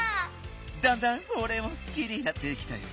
だんだんフォレもすきになってきたよ。